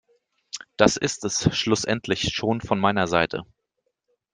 Das ist es schlussendlich schon von meiner Seite.